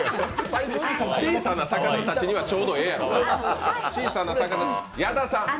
小さな魚たちにはちょうどええやろう。